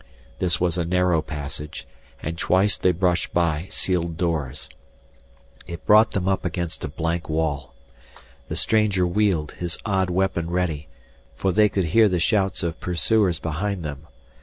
This was a narrow passage, and twice they brushed by sealed doors. It brought them up against a blank wall. The stranger wheeled, his odd weapon ready, for they could hear the shouts of pursuers behind them.